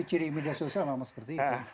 iya itu ciri media sosial sama seperti itu